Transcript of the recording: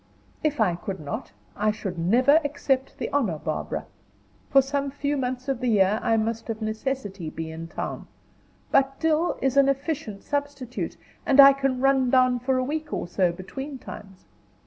"If I could not, I should never accept the honor, Barbara. For some few months of the year I must of necessity be in town; but Dill is an efficient substitute, and I can run down for a week or so between times.